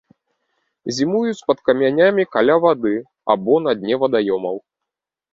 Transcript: Зімуюць пад камянямі каля вады або на дне вадаёмаў.